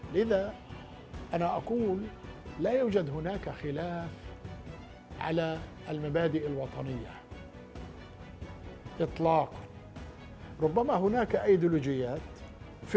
mungkin kita dan fatah terutama seperti air dan minyak